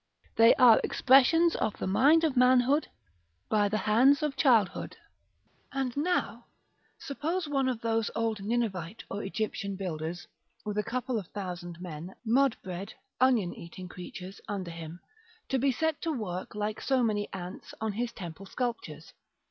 They are expressions of the mind of manhood by the hands of childhood. § XII. And now suppose one of those old Ninevite or Egyptian builders, with a couple of thousand men mud bred, onion eating creatures under him, to be set to work, like so many ants, on his temple sculptures.